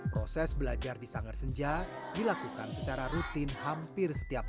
proses belajar di sanggarsenja dilakukan secara rutin dan secara lengkap